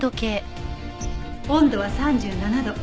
温度は３７度。